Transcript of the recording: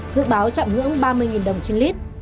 dự báo chạm ngưỡng ba mươi đồng trên lít